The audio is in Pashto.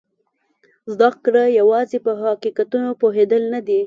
زده کړه یوازې په حقیقتونو پوهېدل نه دي.